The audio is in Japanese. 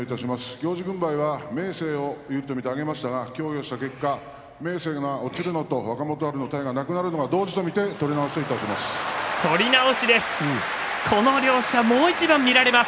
行司軍配は明生を有利と見て上げましたが、協議した結果明生が落ちるのと若元春の体がなくなるのと同時と見て取り直しといたします。